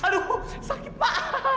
aduh sakit pak